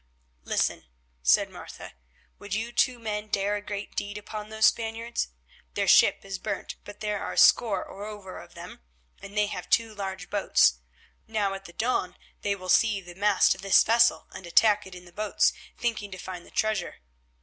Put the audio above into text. "Listen," said Martha. "Would you two men dare a great deed upon those Spaniards? Their ship is burnt, but there are a score or over of them, and they have two large boats. Now at the dawn they will see the mast of this vessel and attack it in the boats thinking to find the treasure.